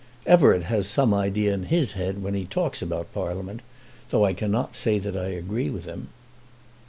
Everett has some idea in his head when he talks about Parliament, though I cannot say that I agree with him."